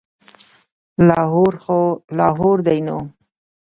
لاهور خو لاهور دی نو.